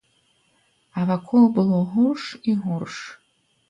А вакол было горш і горш.